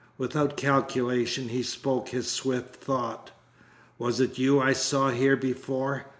Without calculation he spoke his swift thought: "Was it you I saw here before?